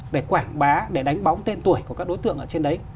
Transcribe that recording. để quảng bá để đánh bóng tên tuổi của các đối tượng ở trên đấy